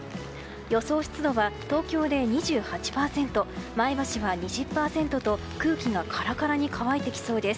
予想湿度は東京で２８％前橋は２０％と空気がカラカラに乾いてきそうです。